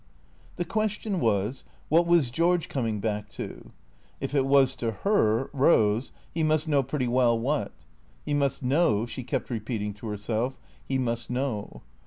The question was, what was George coming back to? If it was to her, Eose, he must know pretty well what. He must know, she kept repeating to herself; he must know.